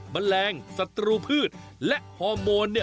แมลงศัตรูพืชและฮอร์โมน